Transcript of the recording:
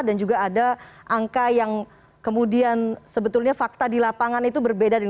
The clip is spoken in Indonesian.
dan juga ada angka yang kemudian sebetulnya fakta di lapangan itu berbeda